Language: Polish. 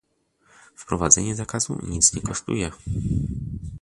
Wprowadzenie zakazu nic nie kosztuje